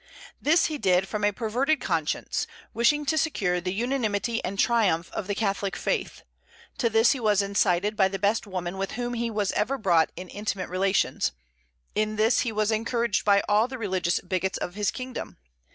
This he did from a perverted conscience, wishing to secure the unanimity and triumph of the Catholic faith; to this he was incited by the best woman with whom he was ever brought in intimate relations; in this he was encouraged by all the religious bigots of his kingdom.